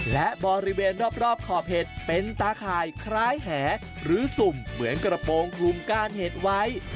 และบริเวณรอบขอบเห็ดเป็นตาข่ายคล้ายแหหรือสุ่มเหมือนกระโปรงคลุมก้านเห็ดไว้